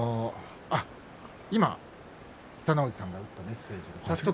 今、北の富士さんが打ったメッセージが早速。